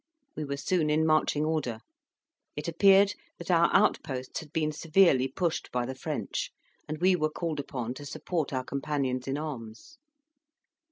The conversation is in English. We were soon in marching order. It appeared that our outposts had been severely pushed by the French, and we were called upon to support our companions in arms.